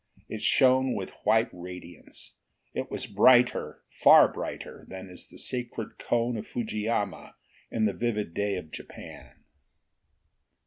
It shone with white radiance. It was brighter, far brighter, than is the sacred cone of Fujiyama in the vivid day of Japan.